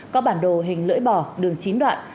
có bản đồ hình lưỡi bò đường chín đoạn